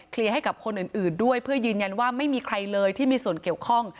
ให้กับคนอื่นด้วยเพื่อยืนยันว่าไม่มีใครเลยที่มีส่วนเกี่ยวข้อง